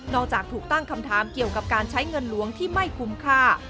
จากถูกตั้งคำถามเกี่ยวกับการใช้เงินหลวงที่ไม่คุ้มค่า